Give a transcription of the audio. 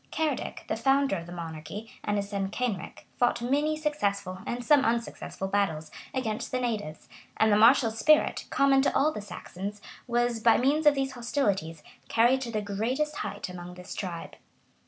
Cerdic, the founder of the monarchy, and his son Kenric, fought many successful, and some unsuccessful battles, against the natives; and the martial spirit, common to all the Saxons, was, by means of these hostilities, carried to the greatest height among this tribe.